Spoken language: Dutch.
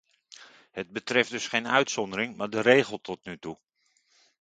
Het betreft dus geen uitzondering, maar de regel tot nu toe.